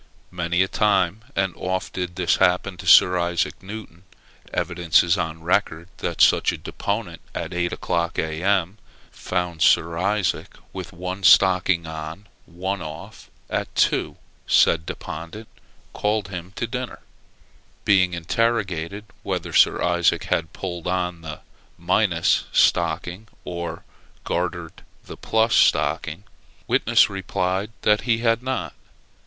Many a time and oft did this happen to Sir Isaac Newton. Evidence is on record, that such a deponent at eight o'clock, A.M., found Sir Isaac with one stocking on, one off; at two, said deponent called him to dinner. Being interrogated whether Sir Isaac had pulled on the minus stocking, or gartered the plus stocking, witness replied that he had not.